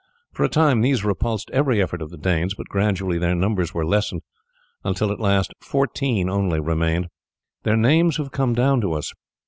For a time these repulsed every effort of the Danes, but gradually their numbers were lessened until at last fourteen only remained. Their names have come down to us.